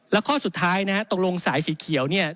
แล้วข้อสุดท้ายนะฮะตกลงสายสีเขียวเนี่ย